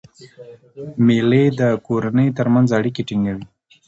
مېلې د کورنۍ ترمنځ اړیکي ټینګوي.